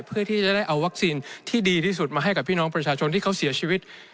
เพื่อที่จะได้เอาวัคซีนที่ดีที่สุดมาให้กับพี่น้องประชาชนที่เขาเสียชีวิต